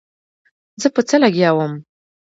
زه په څه لګيا وم.